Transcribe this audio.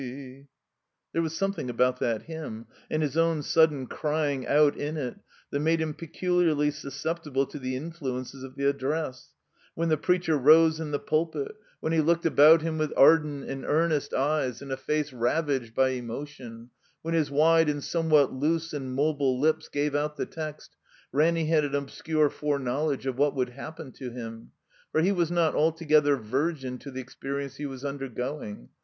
There was something about that hymn, and his own sudden crying out in it, that made him peculiar ly susceptible to the influences of the Address. When the preacher rose in the pulpit, when he looked about io6 THE COMBINED MAZE hitn with ardent and earnest eyes in a face ravaged by emotion, when his wide and somewhat loose and mobile lips gave out the text, Ranny had an obscure foreknowledge of what would happen to him. For he was not altogether virgin to the experience he was undergoing.